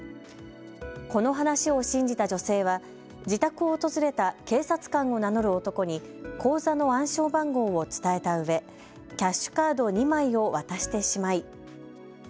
この話を信じた女性は自宅を訪れた警察官を名乗る男に口座の暗証番号を伝えたうえキャッシュカード２枚を渡してしまい。